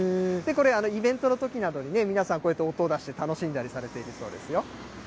これ、イベントのときなどに皆さん、こうやって音を出して楽しんだりされているそうですよ。